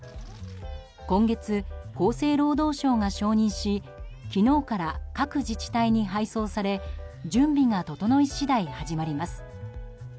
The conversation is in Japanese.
今月、厚生労働省が承認し昨日から各自治体に配送され準備が整い次第、始まります。